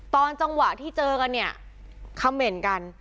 ตอนจังหวะที่เจอกันเนี่ยคำเหม็นกัน